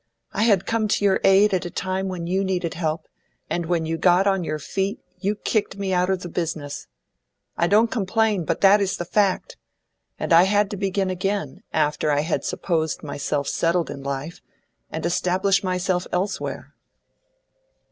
I had come to your aid at a time when you needed help, and when you got on your feet you kicked me out of the business. I don't complain, but that is the fact; and I had to begin again, after I had supposed myself settled in life, and establish myself elsewhere."